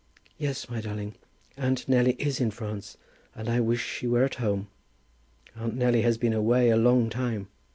"Yes, my darling, aunt Nelly is in France, and I wish she were at home. Aunt Nelly has been away a long time."